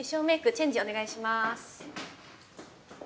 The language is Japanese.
チェンジお願いします。